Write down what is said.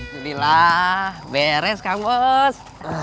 jadi lah beres kang bos